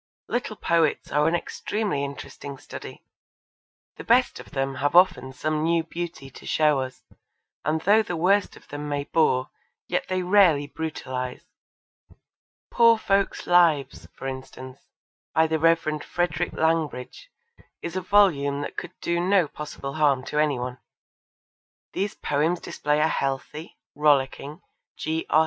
Little poets are an extremely interesting study. The best of them have often some new beauty to show us, and though the worst of them may bore yet they rarely brutalise. Poor Folks' Lives, for instance, by the Rev. Frederick Langbridge, is a volume that could do no possible harm to any one. These poems display a healthy, rollicking, G. R.